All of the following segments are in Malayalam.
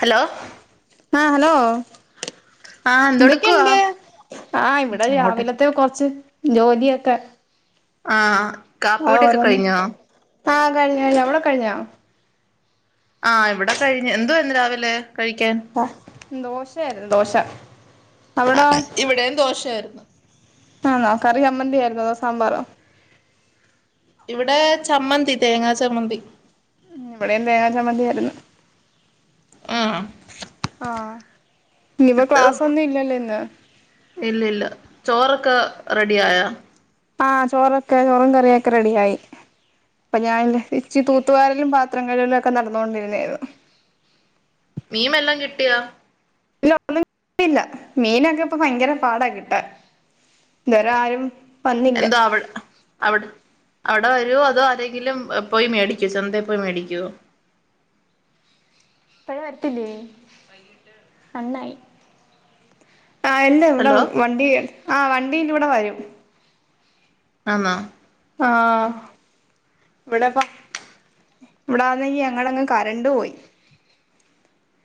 ഹലോ ആഹ് [unintelligible] എന്തെടുക്കുവാ എന്തൊക്കെയുണ്ട് ആഹ് ഇവിടെ അങ്ങോട്ടാ രാവിലത്തെ ചോദിക്ക കുറച്ച് ജോലിയൊക്കെ ആഹ് കാപ്പികുടിയൊക്കെ ഓരോന്ന് കഴിഞ്ഞോ ആ കഴിഞ്ഞു കഴിഞ്ഞു അവിടെ കഴിഞ്ഞോ ആഹ് ഇവിടെ കഴിഞ്ഞ് എന്തുവാ ഇന്ന് രാവിലെ കഴിക്കാൻ ദോശ ആയിരുന്നു ദോശ അവിടോ ആഹ് ഇവിടേയും ദോശായിരുന്നു ആന്നോ കറി ചമ്മന്തി ആയിരുന്നോ അതോ സാമ്പാറോ ഇവിടെ ചമ്മന്തി തേങ്ങാ ചമ്മന്തി ഇവിടെയും തേങ്ങാ ചമ്മന്തി ആയിരുന്നു ആഹ് ആഹ് ഇനിയിപ്പോ ക്ലാസ്സ് ഒന്നുമില്ലല്ലോല്ല ഇല്ല ഇല്ല ചോറൊക്കെ റെഡിയായോ ആ ചോറും കറിയൊക്കെ റെഡിയായി അപ്പ ഞാൻ ഇച്ചി തൂത്തുവാരലും പാത്രം കഴുകലൊക്കെ നടന്നോണ്ടിരിന്നാരുന്നു മീൻ വല്ലോം കിട്ടിയോ ഇല്ല ഒന്നും കിട്ടിയില്ല മീനൊക്കെ കിട്ടാൻ ഭയങ്കര പാടാണ് കിട്ടാൻ ഇതെരെ ആരും വന്നില്ല എന്തോ അവിടുത് അവി അവിടെ വരുവോ അതേങ്കിലും പോയി മേടിക്കോ ചന്തെ പോയി മേടിക്കോ പ്പഴും വരത്തില്ലേ നന്നായി അല്ല ഇവിടെ ഹലോ വണ്ടി ആ വണ്ടി [unintelligible] ഇന്ന് ഇവിടെ വരും ആന്നൊ? ആ ഇവിടെപ്പ ഇവിടെ ആന്നെങ്കി ഞങ്ങടങ്ങ് കരണ്ട് പോയി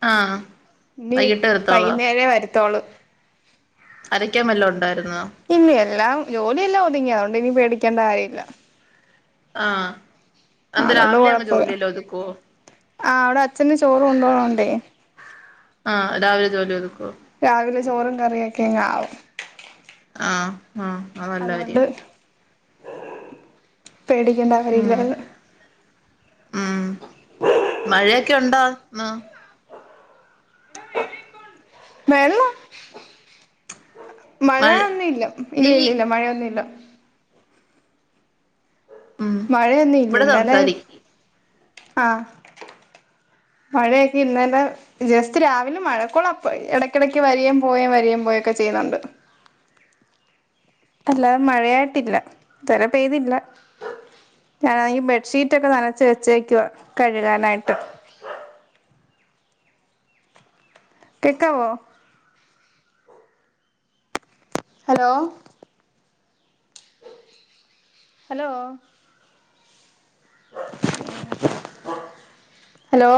ആ നീ വൈകുന്നേര വര ത്തോള് അരയ്ക്കാൻ വല്ലാം ഉണ്ടായിരുന് ഇന്ന എല്ല ജോലിയല്ല ഒതുങ്ങി അതുകൊണ്ട് ഇനി പേടിക്കേണ്ട കാര്യമില്ല ആ അതുകണ്ട് കുഴപ്പില്ല ആ അവിടെ അച്ഛന് ചോറും കൊണ്ടോ ഉണ്ട് ആ രാവിലെ ജോലി ഒതുക്കുവോ രാവിലെ ചോറും കറിയൊക്കെങ്ങ ആവും ആ ആ അ നല്ല അതുകൊണ്ട് കാര്യം പേടിക്കേണ്ട കാര്യ ഉം ഇല്ലന് ഉം മ വെള്ളം മഴ മഴൊന്നുംല്ല ഇല്ല നീ ഇല്ല ഇല്ല മഴയൊന്നുല്ല ഉം മഴയൊന്നുല്ല ഇവിടെ ഇന്നലെ സംസാരിക്ക് ആ മഴേ ക്കെ ഇന്നലെ ജസ്റ്റ് രാവിലെ മഴക്കൊ ള അപ്പ് ഇടക്കിടക്ക് വരേം യും പോവേം വരേം പോവേം ഒക്കെ ചെയ്യുന്നുണ്ട് അല്ലാതെ മഴയായിട്ടില്ല തിര പെയ്തില്ല ഞാനാ നങ്കി ബെഡ്ഷീറ്റൊ ക്കെ നനച്ച് വെച്ചേക്കുവാ കഴുകാനായിട്ട് കെ ക്കാവോ ഹലോ ഹലോ ഹലോ